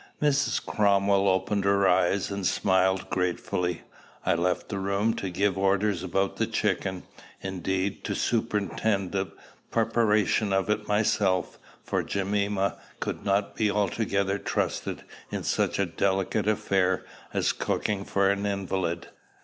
Mrs. Cromwell opened her eyes and smiled gratefully. I left the room to give orders about the chicken, indeed, to superintend the preparation of it myself; for Jemima could not be altogether trusted in such a delicate affair as cooking for an invalid.